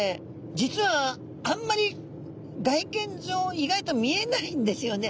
実はあんまり外見上意外と見えないんですよね。